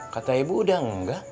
kata ibu udah engga